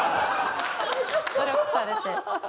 努力されて。